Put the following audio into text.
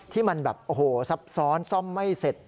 ที่มันแบบโอ้โหซับซ้อนซ่อมไม่เสร็จ